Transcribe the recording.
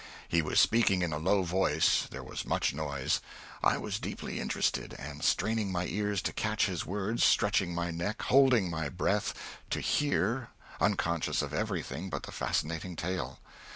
He was speaking in a low voice there was much noise I was deeply interested, and straining my ears to catch his words, stretching my neck, holding my breath, to hear, unconscious of everything but the fascinating tale.